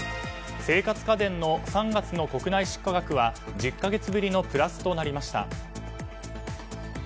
生活家電の３月の国内出荷額は１０か月ぶりのプラスとなりました。